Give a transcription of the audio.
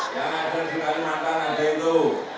karena ada di kalimantan ada itu